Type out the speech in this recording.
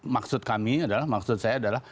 maksud kami adalah maksud saya adalah